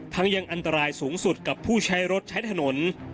ยังอันตรายสูงสุดกับผู้ใช้รถใช้ถนน